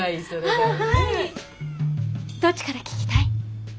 どっちから聞きたい？